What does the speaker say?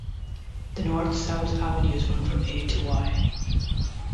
The north-south avenues run from A to Y.